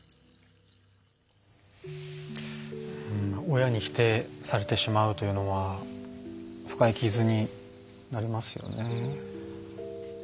親に否定されてしまうというのは深い傷になりますよね。